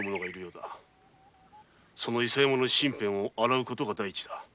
その伊佐山の身辺を洗う事が第一。